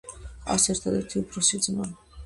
ჰყავს ერთადერთი უფროსი ძმა.